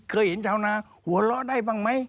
เคยเห็นชาวนาหัวเราะได้บ้างไหม